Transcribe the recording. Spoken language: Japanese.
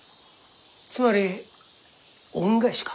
つまり恩返しか？